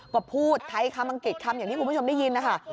ก็พูดไทยคำอังกฤษคำอย่างที่คุณผู้ชมได้ยินนะคะ